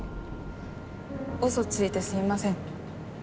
うそついてすいません。